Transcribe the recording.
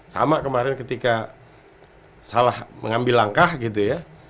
sama kemarin ketika salah mengambil langkah gitu ya